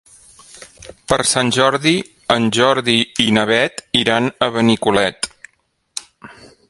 Per Sant Jordi en Jordi i na Beth iran a Benicolet.